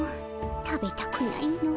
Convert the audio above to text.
食べたくないの。